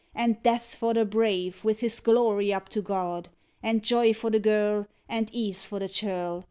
And death for the brave, With his glory up to God! And joy for the girl, And ease for the churl!